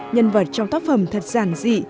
nhân vật trong tác phẩm thật giản dị